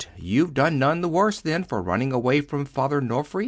you've done none the worse, then, for running away from father Nofri?